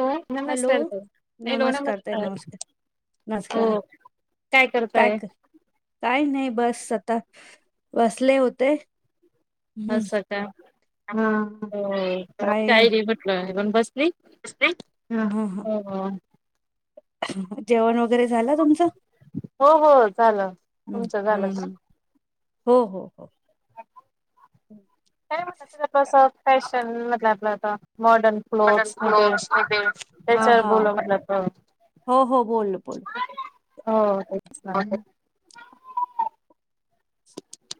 हो हॅलो नमस्कार त हॅलो नमस्कार हो नमस्कार काय करताये काय नाही बस आता बसले होते हम्म असं का हा हो काय नई म्हटलं पण बसली ह ह हो जेवण वगैरे झाल तुमचं हो हो झालं हम्म, तुमचं झालं का हम्म हो हो हो काय म्हणसॅश [unintelligible] ट आपलं होत [unintelligible] मॉर्डर्न क्लोत्स वगैरे क्लोथ्स हा त्याच्यावर हा बोलु म्हटलं तर हो हो बोल बोल हो तेच ना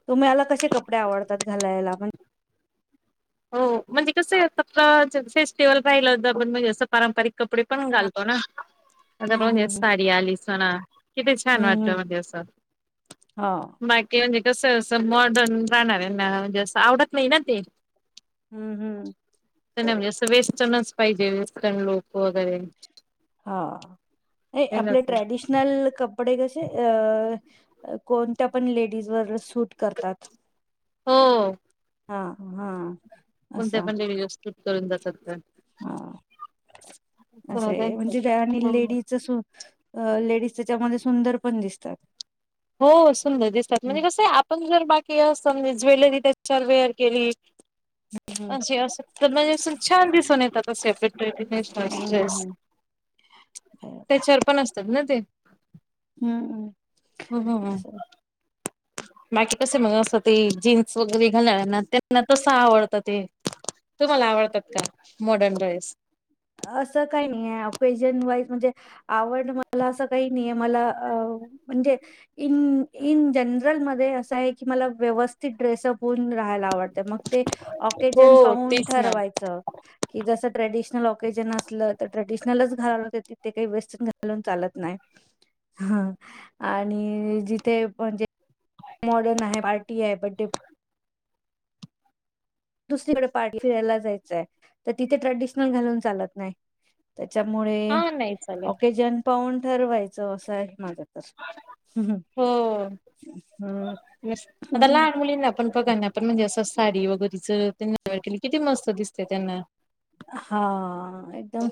तुम्ही आला कशे कपडे आवडतात घालायला पण हो म्हणजे कस फेस्टिवल राहिलं होत आपण असं पारंपरिक कपडे पण घालतो ना आता पहा हम्म म्हणजे हम्म साडी आलीच हा ना किती छान हम्म वाटत हम्म म्हणज असं हा बाकी म्हणजे तसं स मॉर्डर्न राहणार येत मला म्हणजे असं आवडत नाही ना ते हम्म हम्म नाही बरोबर म्हणजे असं वेस्टर्नच पाहिजे वेस्टन लोक वगैरे हा ये हे आपले नको. ट्रॅडिशनल कपडे कशे अ कोणत्या पण लेडीज वर सु सूट करतात हो हा हा कोणत्या असं पण लेडीज वर सू करून जातात काय हा [unintelligible] ना असाय त्यांचं. म्हणजे हो ज्यांनी लेडीच सू अ लेडीज जेच्यामध्ये सुंदर पण दिसतात. हो सुंदर दिसतात हम्म म्हणजे कसाय आपण जर बाकी अस हा म्हणजे ज्वेलरी त्याच्यावर वेअर केली. हम्म म्हणजे असं तर म्हणजे असं छान दिसून येतता सेपरेटे [unintelligible] वेस्टर्नस ड्रेस हम्म हम्म त्याच्यावर पण असतात ना ते. हम्म. हम्म हम्म हम्म. असं बाकी कस म्हअ अस ते जीन्स वगरे घालणाऱ्यांना त्यांना तस आवडतं ते तुम्हाला आवडतात का मॉडर्न ड्रेस. असं काय नाहीये अपेजन वाईज म्हणजे आवड मला असं काय नाहीये मला अ म्हणजे इन इन जनरल मध्ये असं हाय की मला व्यवस्थित ड्रेसअप हून. राहायला आवडतय मग ते ऑकेजन हो पाहून तेच ना. ठरवायचं की जस. ट्रॅडिशनल बग. ते जर नसल तर ट्रेडिशनलच घाल ते तिथ काय वेस्टर्न घालून चालत नाही हा आणि जिथे म्हणजे मॉडर्न आहे पार्टी है बड्डे दुसरीकड पार्टी फिरायला जायचंय तर तिथे ट्रॅडिशनल घालून चालत नाय. त्याच्यामुळे हा नाही चालत ऑकेजन पाहून ठरवायचं असं आहे माझ. हो [unintelligible] आता लहान मुलीना आपण बघा ना आपण म्हणजे असंच. साडी वगैरेचं [unintelligible] केली किती मस्त दिसते त्यांना. हा एकदम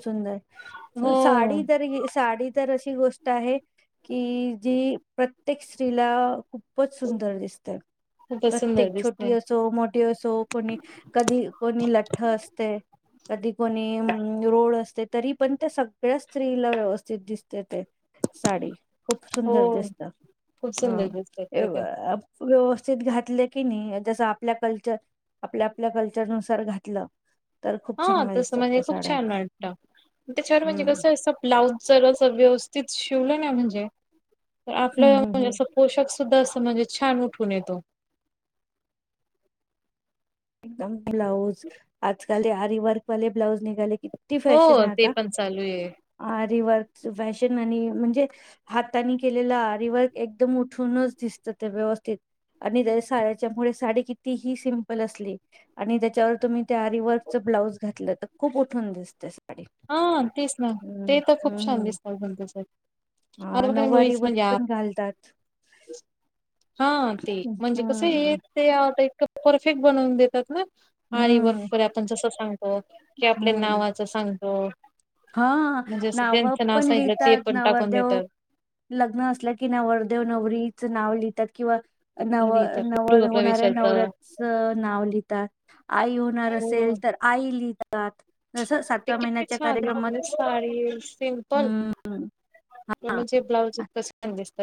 हो सुंदर साडी तर घे साडी तर ती गोष्ट आहे की जी प्रत्येक स्त्रीला खूपच सुंदर दिसतय खूपच सुंदर प्रत्येक दिसते छोटी असो मोठी असो कोणी कधी कोणी लठ्ठ असते. ती कोणी हम् रोड असते, तरी पण त्या सगळ्या स्त्रीला व्यवस्थित दिसते ते साडी खूप हो सुंदर दिसतात. खूप सुंदर ह दिसतात त्या तर. [unintelligible] [unintelligible] घातले की ने जस आपल्या कल्चर आपल्या आपल्या कल्चर नुसार घातलं तर खूप हा चांगल्या तस दिसतात म्हणजे त्या खूप साड्या छान वाटतं. त्याच्यावर म्हणजे हम्म कसं असं ब्लाउज जरा अस व्यवस् तेच शिवलं ना म्हणजे हम्म आपलं हम्म म्हणजे हम्म असं पोषक्स तस म्हणजे छान उठून येतो. [inaudible] ब्लाऊज आज काल ते आरी वर्क वाले ब्लाउज नि झाले किती फॅशन हो हाय ते आता पण चालू आहे. आरे व फॅशन आणि म्हणजे हातानी केलेला आरी वर्क एकदम उठूनच दिसतं ते व्यवस्थित आणि जर साड्याच्यामुळे साडी कितीही सिमपल असु ली आणि ज्याच्यावर तुम्ही त्या आरी वर्क च ब्लाज घातलं तर खूप उठून दिसतेचं. हा तेच ना ते तर खूप छान हम्म दिसनार. [inaudible] हा नऊवारीे वत पण घालतात. हा ते म्हणजे कसंये हम्म. ते एक आता परफेक्ट बनवून देतात ना. अरी हम्म वर्क आपण जस सांगू हो की आपल्या हम्म नावाचं सांग हो. हा नाव पण सांगितलं ते लिहितात. पण टाकून नवरदेव देतात. लग्न असलं की नवरदेव नवरीचं नाव लिह- त्यात किंवा नव लिहितात नवर होणाऱ्या गृहप्रवेशाचं नवऱ्याच नाव लिहितात. आई होणार हो असेल तर आई लिहि तात जस सातव्या महिन्याच्या कार्यक्रमात ह साडी सिम्पल हम्म तर म्हणजे ब्लाउज इतकंच स्टॅंडर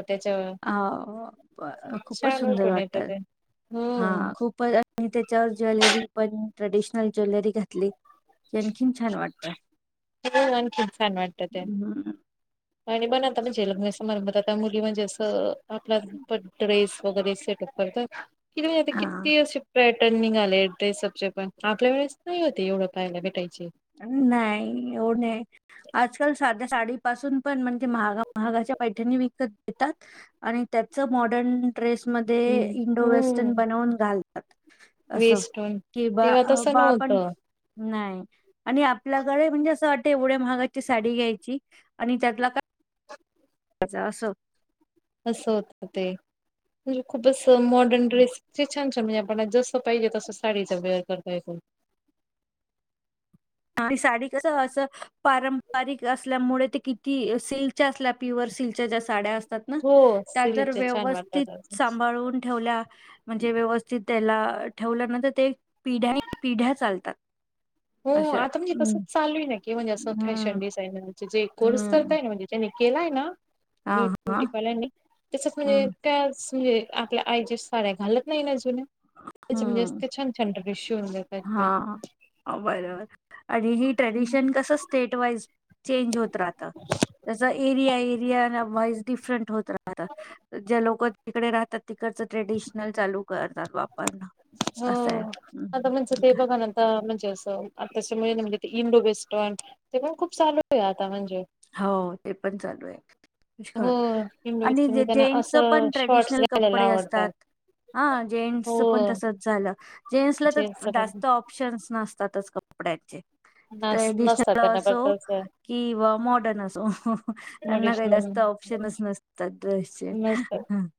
ह खूपच छान सुंदर उठून येतं वाटत ते. हो, हा खूपच आणि त्याच्यावर ज्वेलरी पण ट्रेडिशन ज्वेलरी घातली. आणखीन छान वाटत. हो आणखीन छान वाटतं ते. हम आणि मण आता म्हणजे लग्न समारंभात आता मुली म्हणजे असं आपला पण ड्रेस वगैरे सेटअप करतात. किती हा किती शिपईट ट्रेंडिंग आले ड्रेसपचे पण आपल्या वेळेस नाही होते एवढं पाहाला भेटय नाही हो नाही आजकाल साध्या- साडी पासून पण म्हणजे महा महागाच्या पैठ्यांनी विकत घेतात आणि त्याच मॉडर्न- ड्रेस मध्ये हम्म इंडो वेस्टर्न बनवून घालत- हत् वेस्टून तेव्हा तस बा आपण नव्हतं. नाही. आणि आपल्याकडे म्हणजे असं- तेवढ्या महागाची साडी घ्यायची आणि त्यातला का- माझ असो- असं होत ते म्हणजे खूपच- मॉडर्न ड्रेसचे- छान छान म्हणजे आप जस पाहिजे तसं साडीच वेअर करता येतो न. साडी कस असं पारंपरिक असल्यामुळे ते किती सिल्कच्या असल्या प्युअर सिल्कच्या ज्या साड्या असत- तात ना हो त्या जर सिल्कच्या छान व्यवस्थित वाटतात अजून. सांभळून ठेवल्या म्हणजे व्यवस्थित- त्याला ठेवल्यानंतर ते पिढ्यानिपिढ्या चालतात. हो अशा आता म्हणजे हम्म. तसंच चालूय ना की म्हणजे असं फॅशन हम्म डिजाइनर जे कोर्स हम्म करताय न म्हणजे त्यानी केलाय ना? हा हा ब्युटी पार्लरने तसच म्हणजे हम्म काय असतं हे आपल्या आईच्या साड्या घालत नाही ना जुन्या असं हम्म म्हणजे छान छान ड्रेस शिवून देतात त्या हा [unintelligible] आणि ही ट्रेडिशन कसं स्टेट वाइज चेंज होत राहतं जस एरिया एरिया वॉइस डिफरंट हो ज्या लोकं तिकडे राहतात तिकडचं ट्रेडिशनल चालू करतात बा हो आता म्हणजे ते बघा ना आता म्हणजे म्ह इंडो वेस्टर्न ते पण खूप चालू आहे आता हो ते पण चालू आहे हो इंडो आणि वेस्टर्न म्हणजे त्यांना जेंट्स असं पण शॉर्ट्स ट्रेडिशनल घालायला कपडे आवडतात असतात ह हो जेंट्सच पण तसंच झालं. जेंट्सला तर जेंट्स जास्त ऑप्शन्स नसतात त्यातच कपड्याचे नस नसतात ट्रेडिशनल त्यांना असो बटरच कि वा मॉ [inaudible] मुली त्यांना काही जास्त ऑप्शनच नसतात. ड्रेस नस्त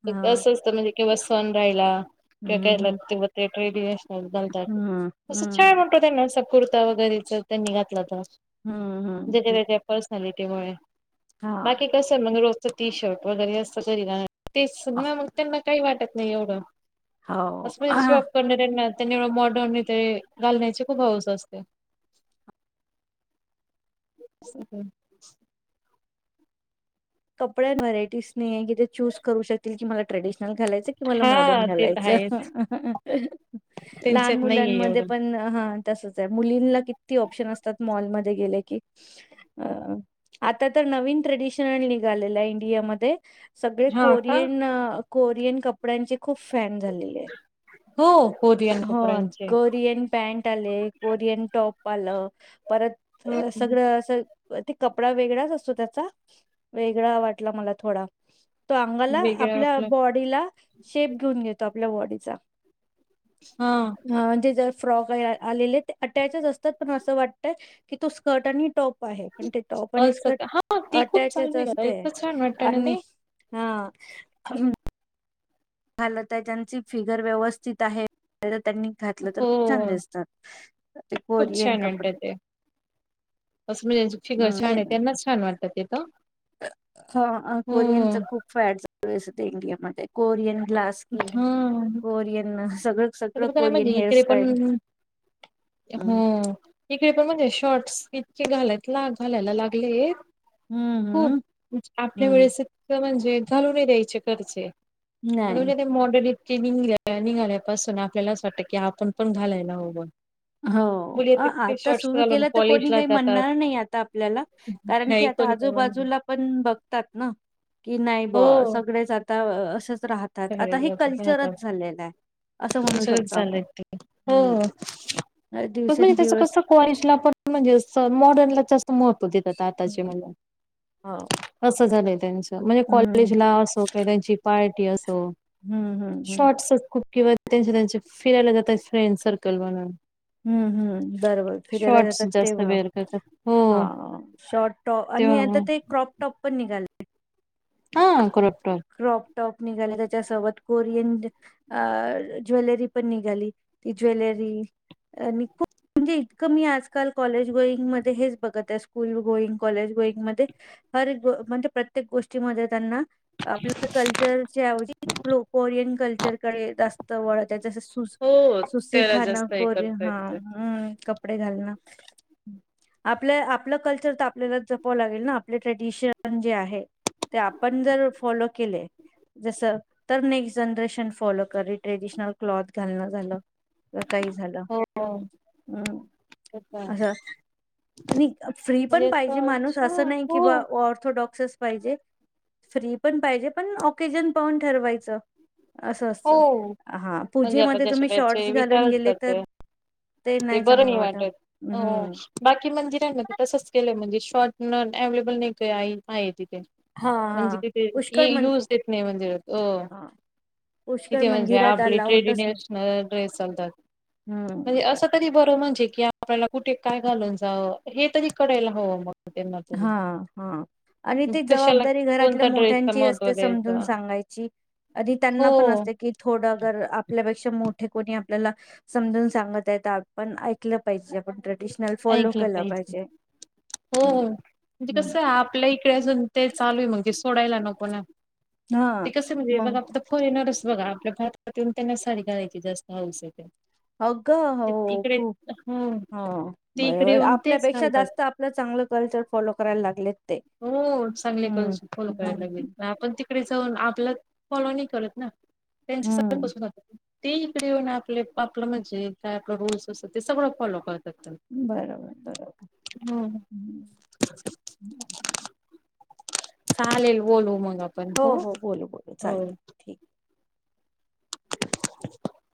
ते असं असतं म्हणजे किंवा सण राहिला. त्या केरलात हम्म ते बघ ते ट्रेडिशनल घालतात हम्म असं हम्म छान वाटत त्यांना असं कुर्ता वगैरे जर त्यांनी घातला त हम्म ज्याच्या हम्म. त्याच्या पर्सनली त्यामुळे हा बाकी कसं मंग रोज टी शर्ट वगैरे असं [unintelligible] तेच ना मग त्यांना काही वाटत नाही एवढं हो असवयच जॉब करणाऱ्यांना त्यांनी मॉडर्न इथे घालण्याची खूप हौस असते. [inaudible] कपड व्हरायटीज नाहीेये की ते चूस करू शकतील की मला ट्रेडिश मला घालायचं की मला हा मॉडर्न ते तर घालायचं आहेच लहान त्यांच्यात नाहीये मुलांमध्ये एवढं पण हा तसंच आहे मुलींना किती ऑप्शन असतात मॉलमध्ये गेले की अ आता तर नवीन ट्रेडिशन आणली झालेला आहे इंडियामध्ये सगळे हा का कोरियन अ कोरियन कपड्यांचे खूप फॅन झालेले आहे. हो. कोरियन हो कपड्यांचे कोरियन पॅन्ट आले कोरियन टॉप आलं. परत हम्म सगळं असं ते कपडा वेगळाच असतो त्याचा वेगळा वाटला मला थोडा तो अंगाला वेगळं आपल्या वाटलं बॉडीला शेप घेऊन घेतो आप आपल्या बॉडीचा हा हा ते जर फ्रॉक आल आलेले ते अटॅच असतात पण असं वाटतं की तो स्कर्ट आणि टॉप आहे पण ते टॉप आणि असं स्कर्ट का हा ते खूप अटॅचच चालू आहे असते इतक छान वाटत ना आणि ते हा हलताच्याची फिगर व्यवस्थित आहे त्यांनी घातलं तर हो खूप छान दिसतात ते खूप कोरियन कपडे अस म्हजेची चगर हम्म. छान आहे कोरियन- त्यांनाच छान वाटतात तेेत हो इंडिया मध्ये कोरयन ग्लास स्किन हा कोरियन सगळं सगळं तर कोरियन म्हणजे इकडे पण हेअरस्टाईल हो इकडे पण म्हणजे शॉर्ट्स इतके घालाय घालायला लागले हम्म खूप हम्म आपल्या हम्म. वेळेस म्हणे म्हणजे घालून नाही दहाचे घरचे नाही मोॉड [unintelligible] की निघ निघाल्यापासून आपल्याला असं वाटतं की आपण पण घालायला हवं हो मुली किती आता शॉर्ट्स सुरू घालून केलं तर कोणी कॉलेजला काही जातात म्हणणार नाही आता आपल्याला कारण की नाही आता कोणी कोण आजूबाजूला पण बघतात ना कि नाही ब हो सगळेच आता [unintelligible] राहतात आता सगळे हे जातात राहतात. कल्चरच झालेलं आहे असं म्हणू सगळंच शकतो चाललंय आपण ते. हम्म.. हो [inaudible] [unintelligible] म्हणजे हं. हो. कॉलेज हं. ला असो किवा त्यांची पार्ट. [unintelligible] हं, हं, हं. शॉर्टसच [unintelligible] त्यांच्या त्यांच्या फिरायला जातात फ्रेंड सर्कल म्हणून. हम्म हम्म बरबर फिरायला जातात जास्त तेव्हा वेअर करतात हो हे, शॉर्ट टॉप आणि तेव्हा आता मग ते क्रॉप टॉप पण निघाले. [unintelligible] हा क्रॉप टॉप. क्रॉप टॉप निघाले त्याच्यासोबत कोरियन अ ज्वेलरी पण निघाली ती ज्वेलरी. खूप म्हणजे इतकं मी आजकाल कॉलेज गोईंग मध्ये हेच बघत आहे. स्कूल गोईंग कॉलेज गोईंगमध्ये, हर ग म्हणजे प्रत्येक गोष्टीमध्ये त्यांना. आपलं कल्चर, च्या येवजी कोरियन कल्चर. हो त्याला जास्त [unintelligible] हे कोरीयन करता हा येतं. कपडे घाल ना. आपलं आपलं कल्चर तर आपल्याला जपावं लागेल ना आपले ट्रेडिशन जे आहे ते आपण जर फॉलो केले. जस तर नेक्स्ट जनरेशन फॉलो करी ट्रेडिशनल क्लॉथ घालण झालं. [unintelligible] [inaudible] हो फ्री म्हणजे हो हो. पण पाहिजे पण ओकेजन पाहुन ठरवाच. असं हो असतं हा म्हणजे आता पूजेमध्ये जसे तुम्ही शॉर्टस. त्याचे विचारच गेले करते. तर. ते बरं नाही चांगलं वाटत हं, बाकी मंदिरांमध्ये तसच केलं म्हणजे. शॉटन अवलेबल नाही का आहे. [unintelligible] हां, हां. म्हणजे पुष्कळ मन हां, पुष्कळ मंदिरात अलाउडच नव्हतं. हं. की आपल्याला कुठे काय घालून जावं हे तरी करायला हवं मग. त्यांना तरी. हा हा आणि ते कशाला जबाबदारी घरातल्या कोणत्या ड्रेसच मोठ्यांची महत्त्व असते समजून द्यायचं सांगायची आधी हो त्यांना पण असते की थोडं. आपल्यापेक्षा मोठे कोणी आपल्याला समजून सांगत आहे आपण ऐकलं पाहिजे. [unintelligible] फॉलो केलं पाहिजे हो हं, हो. म्हणजे हं. कसं आहे आपल्या इकडे अजून ते चालू आहे मगं. तोडांयला नको ना. हां, ते कस म्हणजे मग बगा म्हणजे कोरेयन असतं. बघा आपल्या भागात येऊन त्यांना साडी घालायची जास्त हाऊस येते. अग हो ते इकडे खूप हो ह ते इकडे बरोबर येऊन तेच आपल्यापेक्षा घालतात. जास्त. आपलं चांगलं कल्चर फॉलो करायला लागलेत ते हो हम्म. पुढे जाऊन आपला फॉलो नाही करत ना. त्यांचे सकाळ हं. पसून होत्याते. ते इकडे येऊन आपले आपलं म्हणजे काय आपलं रूल्स असतं ते सगळं फॉलो करता. बरोबर बरोबर. हम्म हम्म. चालेल बोलुन मग. हो हो बोलु बोलु हो. चालतं ठीक कय. [unintelligible]